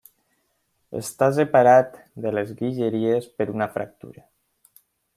Està separat de les Guilleries per una fractura.